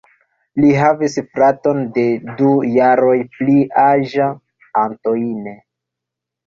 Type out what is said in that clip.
Li havis fraton de du jaroj pli aĝa, Antoine.